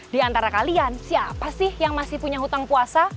di antara kalian siapa sih yang masih punya hutang puasa